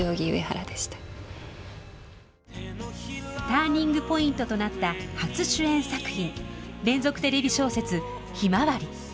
ターニングポイントとなった初主演作品連続テレビ小説「ひまわり」。